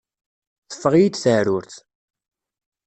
Teffeɣ-iyi-d teεrurt.